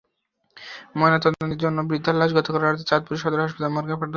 ময়নাতদন্তের জন্য বৃদ্ধার লাশ গতকাল রাতে চাঁদপুর সদর হাসপাতালের মর্গে পাঠানো হয়।